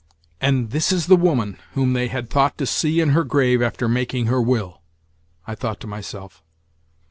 "And this is the woman whom they had thought to see in her grave after making her will!" I thought to myself.